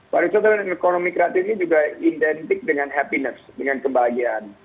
pariwisata dan ekonomi kreatif ini juga identik dengan happiness dengan kebahagiaan